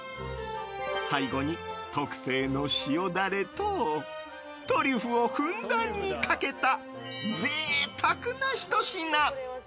最後に特製の塩ダレとトリュフをふんだんにかけた贅沢なひと品。